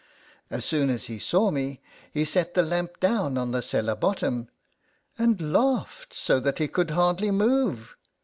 As soon as he saw me, he set the lamp down on the cellar bottom, and laughed so that he could hardly move.